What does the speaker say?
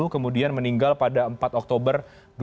kemudian meninggal pada empat oktober dua ribu dua puluh